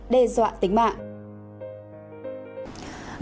đe dọa tính mạng